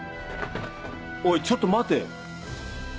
おいちょっと待て。